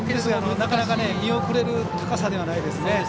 なかなか見送れる高さではないですね。